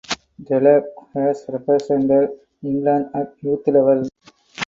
Delap has represented England at youth level.